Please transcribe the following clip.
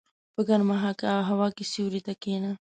په ګرمه هوا کې سیوري ته کېنه.